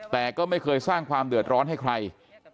แต่ก็ไม่เคยสร้างความเดือดร้อนให้ใคร